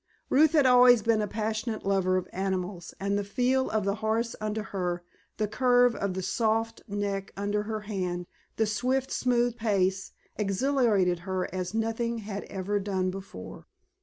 Ruth had always been a passionate lover of animals, and the feel of the horse under her, the curve of the soft neck under her hand, the swift, smooth pace, exhilarated her as nothing had ever done before.